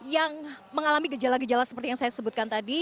yang mengalami gejala gejala seperti yang saya sebutkan tadi